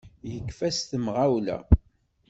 Yekfa s temɣawla.